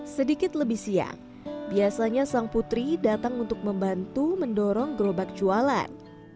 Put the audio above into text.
sedikit lebih siang biasanya sang putri datang untuk membantu mendorong gerobak jualan